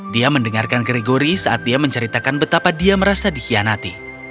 dia mendengarkan gregory saat dia menceritakan betapa dia merasa dikhianati